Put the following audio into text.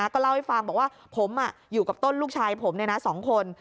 ก็เล่าให้ฟังบอกว่าผมอยู่กับต้นลูกชายผม๒คน